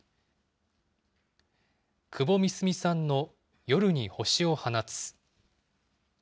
窪美澄さんの夜に星を放つ。